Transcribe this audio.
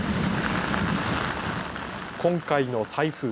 今回の台風。